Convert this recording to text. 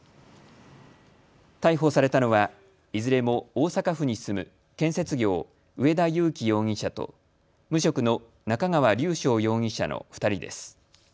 逮捕されたのはいずれも大阪府に住む建設業、植田諭亀容疑者と無職の中川龍翔容疑者の２人です。